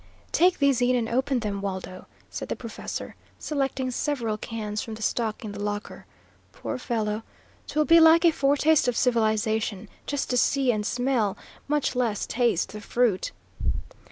"Take these in and open them, Waldo," said the professor, selecting several cans from the stock in the locker. "Poor fellow! 'Twill be like a foretaste of civilisation, just to see and smell, much less taste, the fruit."